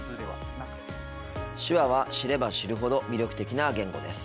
手話は知れば知るほど魅力的な言語です。